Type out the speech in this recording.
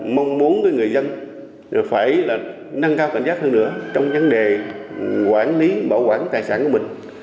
mong muốn người dân phải nâng cao cảnh giác hơn nữa trong vấn đề quản lý bảo quản tài sản của mình